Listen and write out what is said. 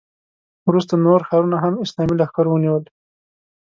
وروسته نور ښارونه هم اسلامي لښکرو ونیول.